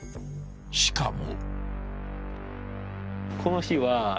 ［しかも］